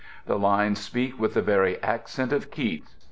The lines speak with the very accent of Keats.